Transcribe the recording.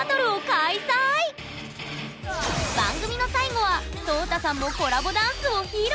番組の最後はＳＯＴＡさんもコラボダンスを披露！